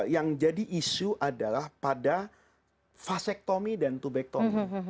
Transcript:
yang jadi isu adalah pada vasectomy dan tubectomy